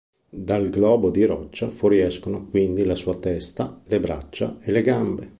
Dal globo di roccia fuoriescono quindi la sua testa, le braccia e le gambe.